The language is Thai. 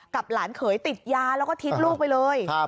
หลานเขยติดยาแล้วก็ทิ้งลูกไปเลย